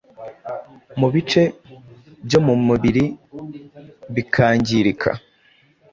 mu bice byo mu mubiri bikangirika